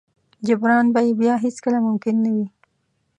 جبران به يې بيا هېڅ کله ممکن نه وي.